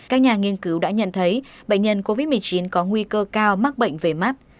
các nhà nghiên cứu đã nhận thấy bệnh nhân covid một mươi chín có nguy cơ cao mắc bệnh về mắt